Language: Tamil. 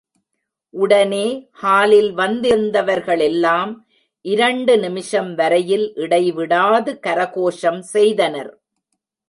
உடனே ஹாலில் வந்திருந்தவர்களெல்லாம் இரண்டு நிமிஷம் வரையில் இடைவிடாது கரகோஷம் செய்தனர்.